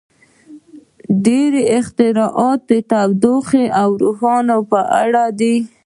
• ډېری اختراعات د تودوخې او روښنایۍ په اړه دي.